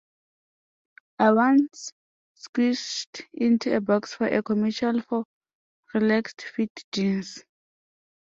I once squished into a box for a commercial for relaxed fit jeans.